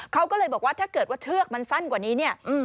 เขาก็เลยบอกว่าถ้าเกิดว่าเชือกมันสั้นกว่านี้เนี่ย